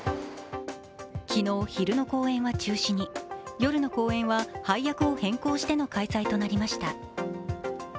昨日、昼の公演は中止に夜の公演は、配役を変更しての開催となりました。